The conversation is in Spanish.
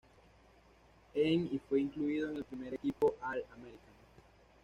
En y fue incluido en el primer equipo All-American.